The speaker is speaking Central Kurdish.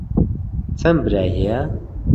چەند برای هەیە؟